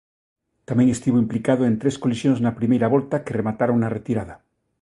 Tamén estivo implicado en tres colisións na primeira volta que remataron na retirada.